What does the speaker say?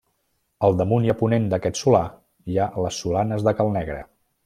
Al damunt i a ponent d'aquest solà hi ha les Solanes de Cal Negre.